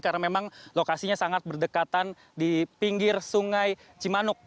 karena memang lokasinya sangat berdekatan di pinggir sungai cimanuk